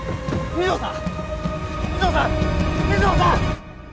水帆さん！